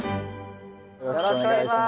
よろしくお願いします。